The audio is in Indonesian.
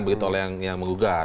begitu oleh yang mengugah